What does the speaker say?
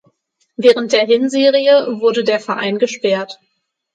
Während der Hinserie wurde der Verein gesperrt.